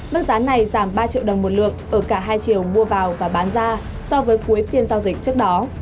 mức giá này giảm ba triệu đồng một lượng ở cả hai triệu mua vào và bán ra so với cuối phiên giao dịch trước đó